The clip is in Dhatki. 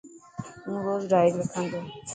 هون روز ڊائري لکا تو.